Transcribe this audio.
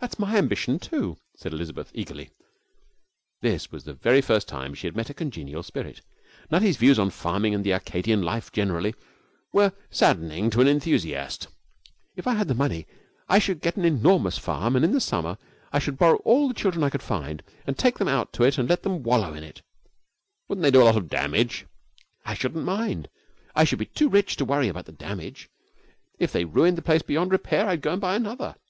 'That's my ambition too,' said Elizabeth, eagerly. This was the very first time she had met a congenial spirit. Nutty's views on farming and the Arcadian life generally were saddening to an enthusiast. 'If I had the money I should get an enormous farm, and in the summer I should borrow all the children I could find, and take them out to it and let them wallow in it.' 'Wouldn't they do a lot of damage?' 'I shouldn't mind. I should be too rich to worry about the damage. If they ruined the place beyond repair I'd go and buy another.'